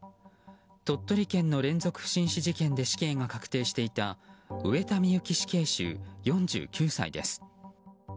鳥取県の連続不審死事件で死刑が確定していた上田美由紀死刑囚、４９歳です。